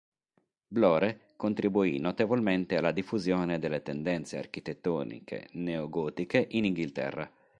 Blore contribuì notevolmente alla diffusione delle tendenze architettoniche neogotiche in Inghilterra.